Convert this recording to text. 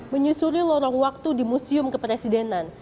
menyusuri lorong waktu di museum kepresidenan